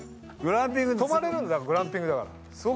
泊まれるのか、グランピングだから。